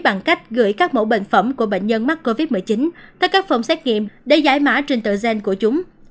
bằng cách gửi các mẫu bệnh phẩm của bệnh nhân mắc covid một mươi chín tới các phòng xét nghiệm để giải mã trình tự gen của chúng